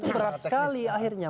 itu berat sekali akhirnya